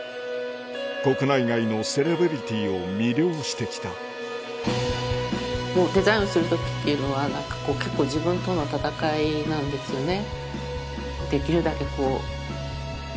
国内外のセレブリティを魅了して来たデザインをする時っていうのは結構自分との戦いなんですよね。